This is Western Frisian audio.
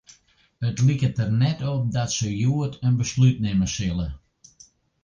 It liket der net op dat se hjoed in beslút nimme sille.